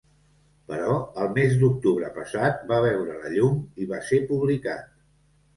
Però el mes d’octubre passat va veure la llum i va ser publicat.